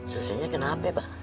susahnya kenapa ya pak